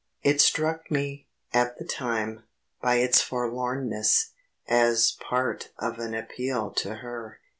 It struck me, at the time, by its forlornness, as part of an appeal to her.